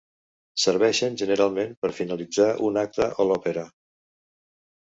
Serveixen, generalment, per finalitzar un acte o l'òpera.